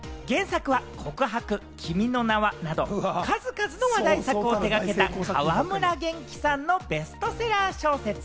原作は『告白』、『君の名は。』など、数々の話題作を手がけた川村元気さんのベストセラー小説。